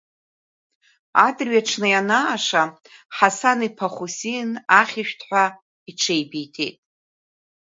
Адырҩаҽны ианааша, Ҳасан-иԥа Хәсин ахьышәҭ ҳәа иҽеибиҭеит.